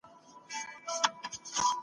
تاسي ولي داسي په انتظار کي سواست؟